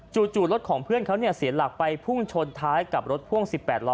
จู่รถของเพื่อนเขาเสียหลักไปพุ่งชนท้ายกับรถพ่วง๑๘ล้อ